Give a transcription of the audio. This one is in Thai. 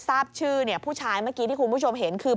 ทราบชื่อผู้ชายเมื่อกี้ที่คุณผู้ชมเห็นคือ